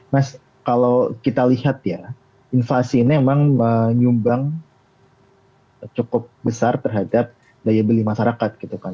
mas kalau kita lihat ya invasi ini memang menyumbang cukup besar terhadap daya beli masyarakat gitu kan